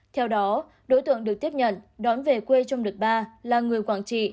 theo đó đối tượng được tiếp nhận đón về quê trong đợt ba là người quảng trị